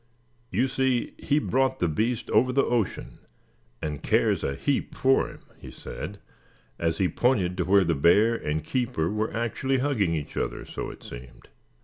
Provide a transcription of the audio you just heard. You see he brought the beast over the ocean, and cares a heap for him," he said, as he pointed to where the bear and keeper were actually hugging each other, so it seemed.